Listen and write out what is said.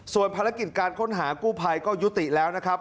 ส่วนภารกิจการค้นหากู้ภัยก็ยุติแล้วนะครับ